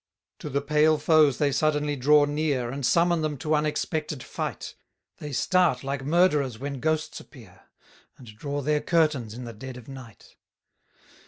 185 To the pale foes they suddenly draw near, And summon them to unexpected fight: They start like murderers when ghosts appear, And draw their curtains in the dead of night.